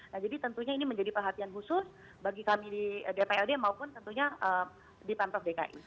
nah jadi tentunya ini menjadi perhatian khusus bagi kami di dprd maupun tentunya di pemprov dki